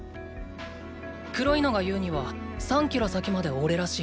黒いのが言うには３キロ先まで“おれ”らしい。